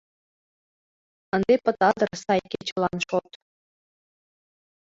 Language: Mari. Ынде пыта дыр сай кечылан шот!..